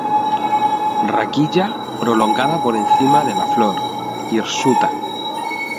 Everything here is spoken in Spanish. Raquilla prolongada por encima de la flor, hirsuta.